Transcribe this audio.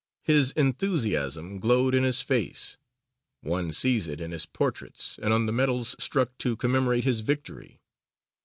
His enthusiasm glowed in his face: one sees it in his portraits and on the medals struck to commemorate his victory.